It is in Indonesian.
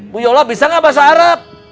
bu yola bisa nggak bahasa arab